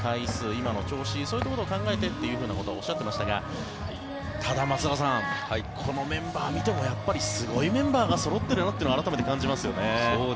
今の調子そういうことを考えてとおっしゃってましたがただ、松坂さんこのメンバー見てもやっぱりすごいメンバーがそろっているなと改めて感じますよね。